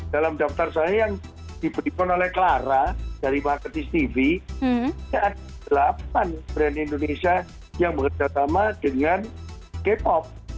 dalam daftar saya yang diberikan oleh clara dari marketis tv ada delapan brand indonesia yang bekerjasama dengan k pop